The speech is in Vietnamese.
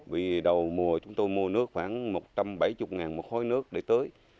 vì đầu mùa chúng tôi mua nước khoảng một trăm bảy mươi một khối nước để tưới